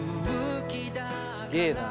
すげえな。